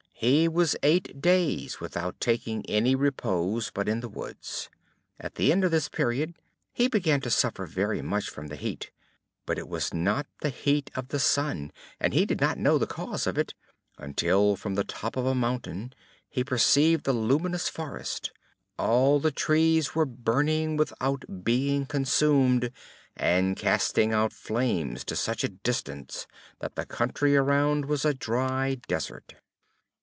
He was eight days without taking any repose but in the woods. At the end of this period he began to suffer very much from the heat; but it was not the heat of the sun, and he did not know the cause of it, until from the top of a mountain he perceived the luminous forest; all the trees were burning without being consumed, and casting out flames to such a distance that the country around was a dry desert.